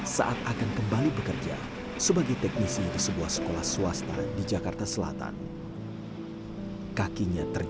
saat akan kembali bekerja sebagai teknisi di sebuah sekolah swasta di jakarta selatan